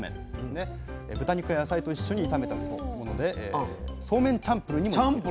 豚肉や野菜と一緒に炒めたものでそうめんチャンプルーにも似てる。